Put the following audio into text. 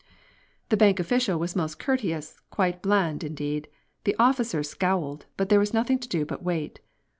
The bank official was most courteous, quite bland, indeed. The officer scowled, but there was nothing to do but wait.